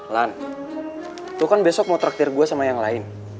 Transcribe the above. lan tuh kan besok mau traktir gue sama yang lain